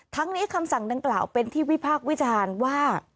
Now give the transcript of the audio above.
ทั้งนี้คำสั่งดังกล่าวเป็นที่วิพากษ์วิจารณ์ว่า